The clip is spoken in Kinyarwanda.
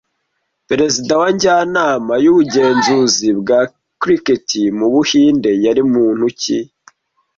Perezida wa Njyanama y'ubugenzuzi bwa Cricket mu Buhinde yari muntu ki